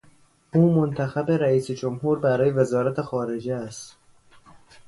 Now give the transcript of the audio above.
او منتخب رئیس جمهور برای وزارت خارجه است.